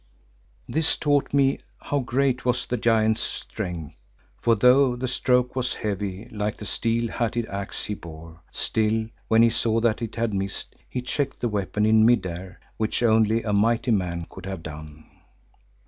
This taught me how great was the giant's strength, for though the stroke was heavy, like the steel hatted axe he bore, still when he saw that it had missed he checked the weapon in mid air, which only a mighty man could have done.